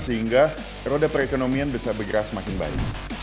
sehingga roda perekonomian bisa bergerak semakin baik